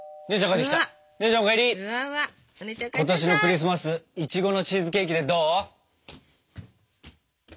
今年のクリスマスいちごのチーズケーキでどう？